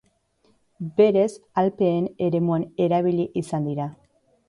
Berez, Alpeen eremuan erabili izan dira.